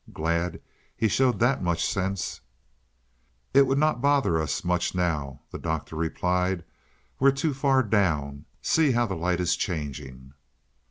"Glad he showed that much sense." "It would not bother us much now," the Doctor replied. "We're too far down. See how the light is changing."